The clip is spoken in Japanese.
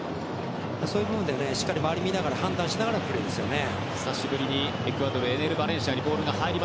そういう部分では、しっかり周りを見て判断しながらのプレーですね。